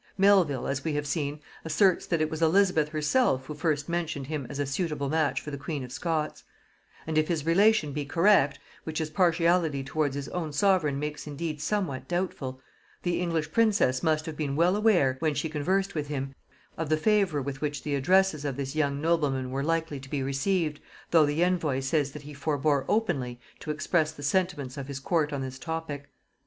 Melvil, as we have seen, asserts that it was Elizabeth herself who first mentioned him as a suitable match for the queen of Scots: and if his relation be correct, which his partiality towards his own sovereign makes indeed somewhat doubtful, the English princess must have been well aware, when she conversed with him, of the favor with which the addresses of this young nobleman were likely to be received, though the envoy says that he forbore openly to express the sentiments of his court on this topic.